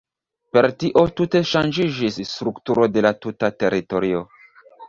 Per tio tute ŝanĝiĝis strukturo de la tuta teritorio.